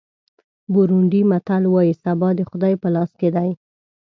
بورونډي متل وایي سبا د خدای په لاس کې دی.